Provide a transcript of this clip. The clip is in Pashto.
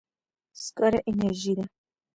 سکاره انرژي ده.